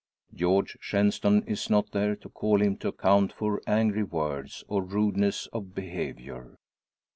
George Shenstone is not there to call him to account for angry words, or rudeness of behaviour.